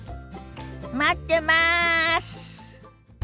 待ってます！